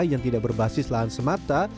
yang tidak berbasis lahan semata